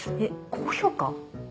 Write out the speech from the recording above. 高評価？